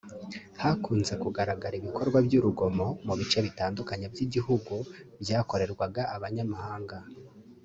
hakunze kugaragara ibikorwa by’urugomo mu bice bitandukanye by’igihugu byakorerwaga abanyamahanga